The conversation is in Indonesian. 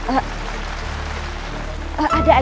ada ada ada sekejap